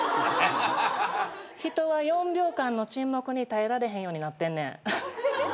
人は４秒間の沈黙に耐えられへんようになってんねん。